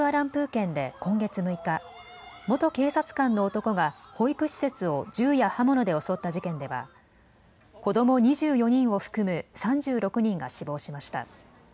県で今月６日、元警察官の男が保育施設を銃や刃物で襲った事件では子ども２４人を含む３６人が死亡しました。